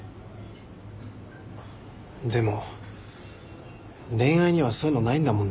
でも恋愛にはそういうのないんだもんな。